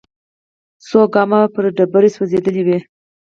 څو ګامه بره ډبرې سوځېدلې وې.